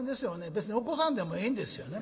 別に起こさんでもええんですよね。